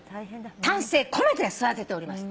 丹精込めて育てております。